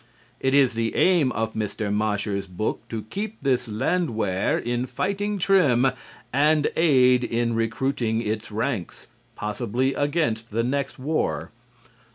It is the aim of Mr. Mosher's book to keep this Landwehr in fighting trim and aid in recruiting its ranks, possibly against the next war.